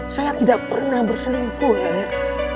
saya tidak pernah berselingkuh nanya